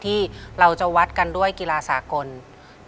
ที่ผ่านมาที่มันถูกบอกว่าเป็นกีฬาพื้นบ้านเนี่ย